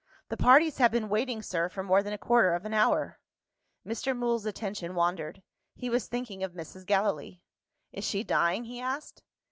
"The parties have been waiting, sir, for more than a quarter of an hour." Mr. Mool's attention wandered: he was thinking of Mrs. Gallilee. "Is she dying?" he asked.